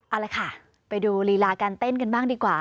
เอาละค่ะไปดูลีลาการเต้นกันบ้างดีกว่า